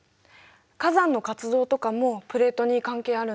火山の活動とかもプレートに関係あるんだよね。